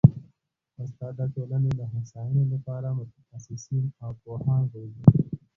استاد د ټولني د هوسايني لپاره متخصصین او پوهان روزي.